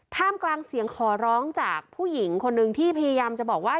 ท่ามกลางเสียงขอร้องจากผู้หญิงคนหนึ่งที่พยายามจะบอกว่า